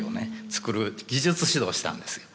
作る技術指導したんですよ。